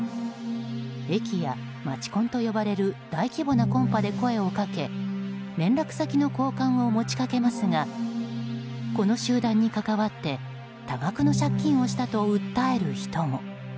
駅や街コンと呼ばれる大規模なコンパで声をかけ連絡先の交換を持ちかけますがこの集団に関わって多額の借金をしたと訴える人も。